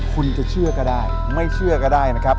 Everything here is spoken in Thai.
คุณจะเชื่อก็ได้ไม่เชื่อก็ได้นะครับ